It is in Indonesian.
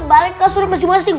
balik ke surip masing masing